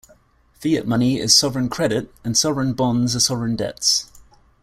Fiat money is sovereign credit and sovereign bonds are sovereign debts.